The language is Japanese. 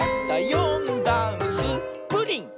「よんだんす」「プリン」！